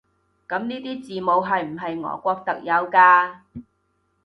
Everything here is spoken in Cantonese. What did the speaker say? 噉呢啲字母係唔係俄國特有㗎？